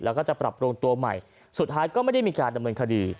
แล้วก็จะปรับปรุงตัวใหม่สุดท้ายก็ไม่ได้มีการดำเนินคดี